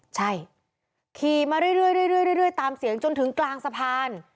ใช่ขี่มาเรื่อยตามเสียงจนถึงกลางสะพาน